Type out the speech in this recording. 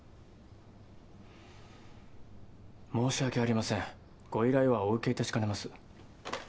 申し訳ありませんご依頼はお受けいたしかねます。